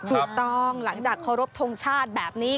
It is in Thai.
ถูกต้องหลังจากเคารพทงชาติแบบนี้